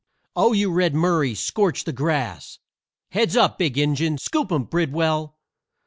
"Oh, you Red Murray! Scorch the grass!" "Heads up, Big Injun!" "Scoop 'em, Bridwell!"